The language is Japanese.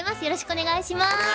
よろしくお願いします。